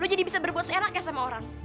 lo jadi bisa berbuat seenaknya sama orang